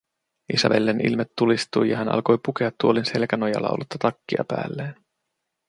Isabellen ilme tulistui, ja hän alkoi pukea tuolin selkänojalla ollutta takkia päälleen: